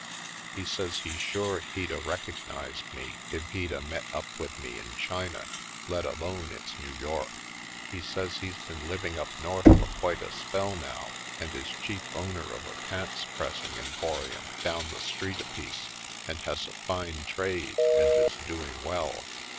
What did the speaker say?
He says he's sure he'd a recognized me if he'd a met up with me in China, let alone it's New York. He says he's been living up North for quite a spell now, and is chief owner of a pants pressing emporium down the street a piece, and has a fine trade and is doing well.